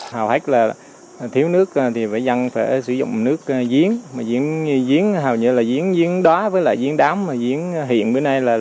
hầu hết là thiếu nước thì dân phải sử dụng nước diễn diễn đó với diễn đám diễn hiện bữa nay